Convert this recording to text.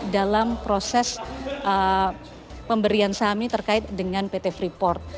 dalam proses pemberian saham ini terkait dengan pt freeport